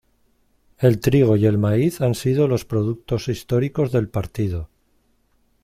El trigo y el maíz han sido los productos históricos del partido.